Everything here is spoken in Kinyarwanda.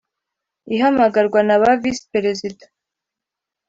Ihamagarwa na ba Visi Perezida .